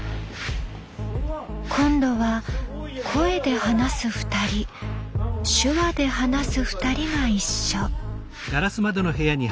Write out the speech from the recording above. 今度は声で話す２人手話で話す２人が一緒。